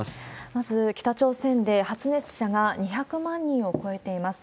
まず、北朝鮮で発熱者が２００万人を超えています。